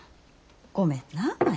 ごめんな舞。